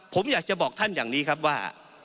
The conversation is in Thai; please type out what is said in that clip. ผมอยากจะบอกท่านอย่างนี้ครับว่า